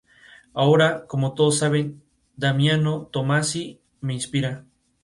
Ahora, como todos saben, Damiano Tommasi me inspira.